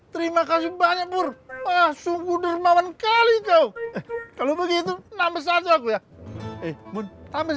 terima kasih banyak pur ah sungguh dermawan kali kau kalau begitu nama satu aku ya eh pun sampai